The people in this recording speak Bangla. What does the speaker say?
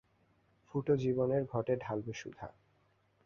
ফুটো জীবনের ঘটে ঢালবে সুধা!